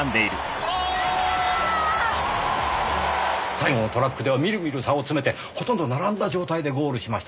最後のトラックではみるみる差を詰めてほとんど並んだ状態でゴールしましたからね。